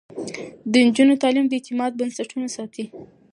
د نجونو تعليم د اعتماد بنسټونه ساتي.